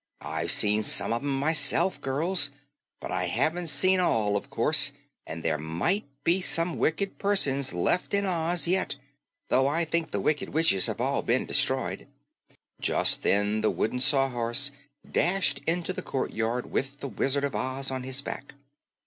I've seen some of 'em myself, girls. But I haven't seen all, of course, and there MIGHT be some wicked persons left in Oz yet, though I think the wicked witches have all been destroyed." Just then the Wooden Sawhorse dashed into the courtyard with the Wizard of Oz on his back.